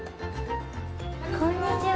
こんにちは。